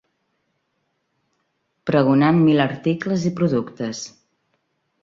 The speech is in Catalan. ...pregonant mil articles i productes